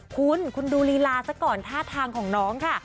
คุณคุณดูลีลาซะก่อนท่าทางของน้องค่ะ